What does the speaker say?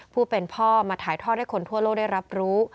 ผู้เป็นพ่อมาถ่ายทอดให้คนทั่วโลกได้รับรู้